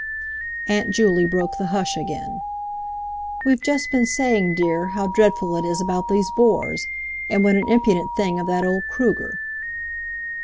Aunt Juley broke the hush again. "We've just been saying, dear, how dreadful it is about these Boers! And what an impudent thing of that old Kruger!"